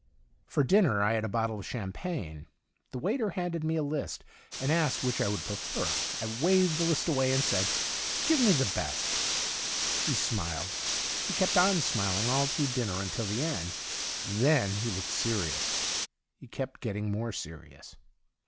For dinner I had a bottle of champagne. The waiter handed me a list, and asked which I would prefer. I waved the list away and said :' Give me the best.' He smiled. He kept on smiling all through dinner until the end ; then he looked serious. He kept getting more serious.